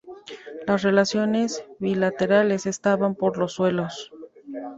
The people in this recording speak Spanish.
Las relaciones bilaterales estaban por los suelos.